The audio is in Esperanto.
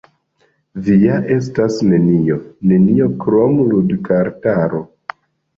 "Vi ja estas nenio, nenio krom ludkartaro!"